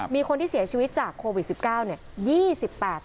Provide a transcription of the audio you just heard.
มีคนที่เสียชีวิตจากโควิด๑๙เนี่ย